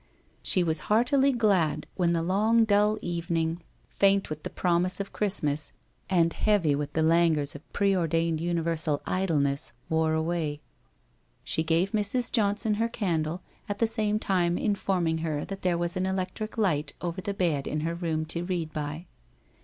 She was heartily glad when the Long dull evening, faint 340 WHITE ROSE OF WEARY LEAF with the promise of Christmas, and heavy with the lan guors of pre ordained universal idleness, wore away. She gave Mrs. Johnson her candle, at the same time informing her that there was an electric light over the bed in her room to read by.